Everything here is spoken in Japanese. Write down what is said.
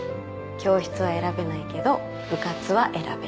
教室は選べないけど部活は選べる。